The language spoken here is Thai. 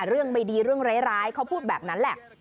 เรื่องไม่ดีเรื่องร้ายเขาพูดแบบนั้นแหละ